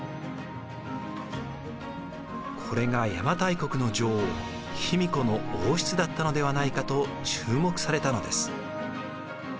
これが邪馬台国の女王卑弥呼の王室だったのではないかと注目されたのです。